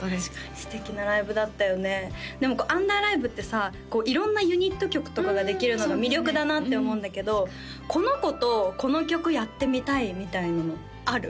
素敵なライブだったよねでもアンダーライブってさこう色んなユニット曲とかができるのが魅力だなって思うんだけどこの子とこの曲やってみたいみたいなのある？